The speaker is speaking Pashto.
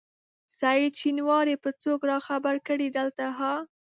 سعید شېنواری به څوک راخبر کړي دلته ها؟